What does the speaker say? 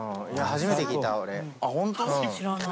初めて聞いた。